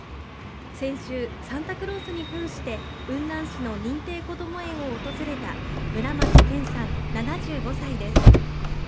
先週、サンタクロースにふんして雲南市の認定こども園を訪れた村松憲さん７５歳です。